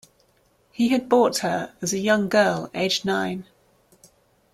He had bought her as a young girl aged nine.